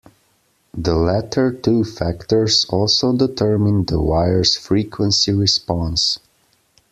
The latter two factors also determine the wire's frequency response.